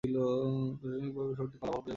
প্রশাসনিকভাবে শহরটি কলাপাড়া উপজেলার সদর।